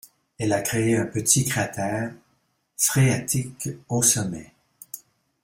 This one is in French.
Elle a créé un petit cratère phréatique au sommet.